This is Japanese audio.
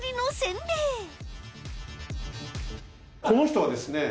この人はですね